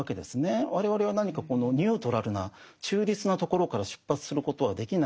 我々は何かニュートラルな中立なところから出発することはできない。